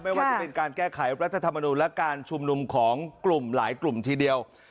ว่าจะเป็นการแก้ไขรัฐธรรมนูลและการชุมนุมของกลุ่มหลายกลุ่มทีเดียว